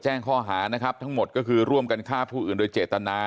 แจ้งข้อหานะครับทั้งหมดก็คือร่วมกันฆ่าผู้อื่นโดยเจตนา